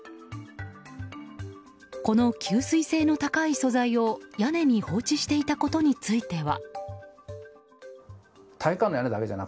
この吸水性の高い素材を屋根に放置していたことについては。